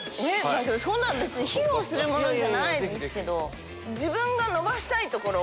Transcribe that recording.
そんな別に披露するものじゃないですけど。